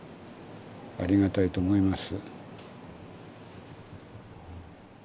ありがたいと思います。